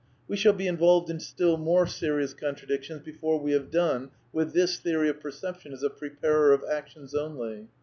We shall be involved in still more^Berious contra dictions before we have done with this theory of percep tion as a preparer of actions only.